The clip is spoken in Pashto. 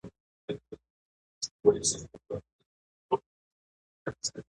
زه غواړم د خپلو تیروتنو نه زده کړه وکړم.